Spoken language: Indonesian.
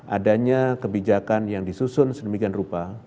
adanya kebijakan yang disusun sedemikian rupa